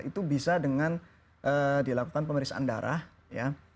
itu bisa dengan dilakukan pemeriksaan darah ya